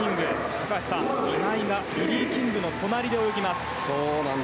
高橋さん、今井がリリー・キングの隣で泳ぎます。